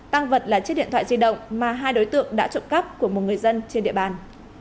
tăng vật là chiếc điện thoại di động mà hai đối tượng đã trộm cắp của một người dân trên địa bàn